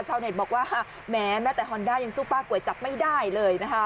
ชาวเน็ตบอกว่าแม้แม้แต่ฮอนด้ายังสู้ป้าก๋วยจับไม่ได้เลยนะคะ